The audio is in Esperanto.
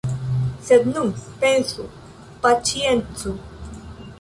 Sed nu, pensu, paĉiencu.